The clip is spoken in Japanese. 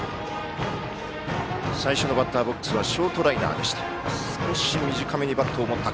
最初のバッターボックスはショートライナーでした。